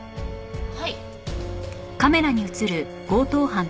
はい。